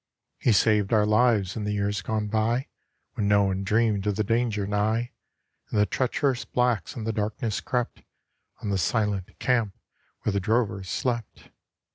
He saved our lives in the years gone by, When no one dreamed of the danger nigh, And the treacherous blacks in the darkness crept On the silent camp where the drovers slept.